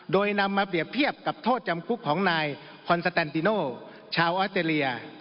โดยนำมาเปรียบเทียบกับโทษจำคุกของนายคอนสแตนติโนชาวออสเตรเลีย